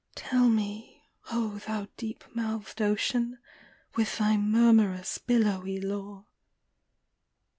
Tell me, thou deep mouthed ocean, with thy murmur ous billowy lore."